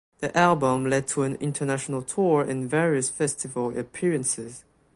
The album led to an international tour and various festival appearances.